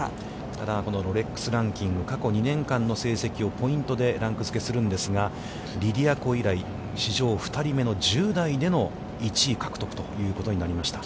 ただ、ロレックス・ランキング、過去２年間の成績をポイントでランクづけするんですが、リディア・コ以来、史上２人目の１０代での１位獲得ということになりました。